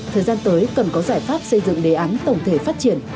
thời gian tới cần có giải pháp xây dựng đề án tổng thể phát triển